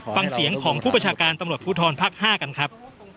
ฟังเสียงของผู้ประชาการตำรวจภูทรภาค๕กันครับ